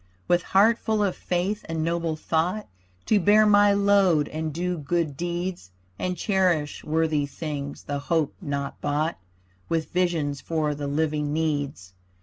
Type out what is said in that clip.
With heart full of faith and noble thought To bear my load and do good deeds. And cherish worthy things, the hope not bought, With visions for the living needs.